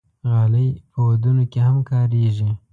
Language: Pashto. غالۍ په ودونو کې هم کارېږي.